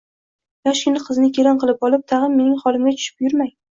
Yoshgina qizni kelin qilib olib, tag`in mening holimga tushib yurmang